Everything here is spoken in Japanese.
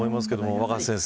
若狭先生